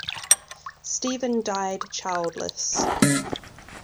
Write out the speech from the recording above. Stephen died childless.